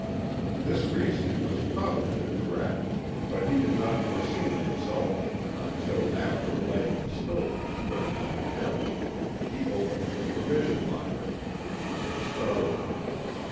This reasoning was probably correct; but he did not foresee the result, until after lighting the stove and putting on the kettle, he opened the provision locker, which was to starboard.